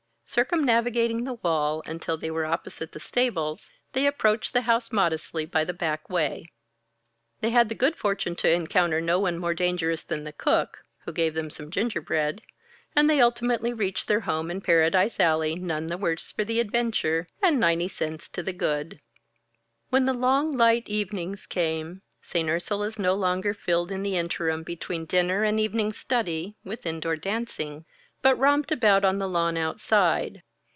Circumnavigating the wall, until they were opposite the stables, they approached the house modestly by the back way. They had the good fortune to encounter no one more dangerous than the cook (who gave them some gingerbread) and they ultimately reached their home in Paradise Alley none the worse for the adventure and ninety cents to the good. When the long, light evenings came, St. Ursula's no longer filled in the interim between dinner and evening study with indoor dancing, but romped about on the lawn outside.